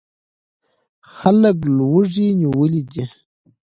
خلک لوږې نیولي دي.